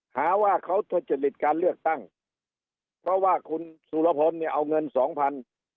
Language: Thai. เพราะว่าคุณสุรพลเนี่ยเอาเงินสองพัน